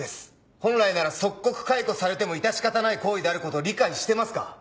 本来なら即刻解雇されても致し方ない行為であることを理解してますか？